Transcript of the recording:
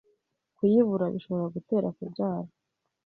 kuyibura bishobora gutera kubyara